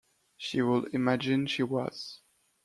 She would imagine she was.